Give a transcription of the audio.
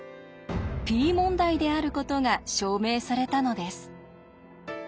Ｐ問題であることが証明されたのです。